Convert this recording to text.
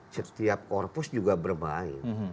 setiap korpus juga bermain